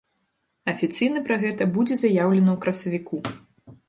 Афіцыйна пра гэта будзе заяўлена ў красавіку.